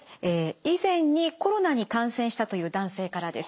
以前にコロナに感染したという男性からです。